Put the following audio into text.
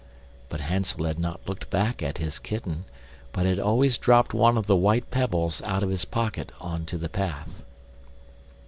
But Hansel had not looked back at his kitten, but had always dropped one of the white pebbles out of his pocket on to the path.